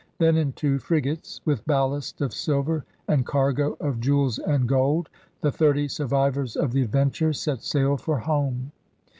Then, in two frigates, with ballast of silver and cargo of jewels and gold, the thirty survivors of the adventure set sail for home.